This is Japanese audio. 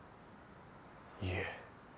いえ